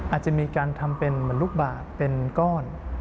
อาจจะมีการทำเป็นเหมือนลูกบาทเป็นก้อน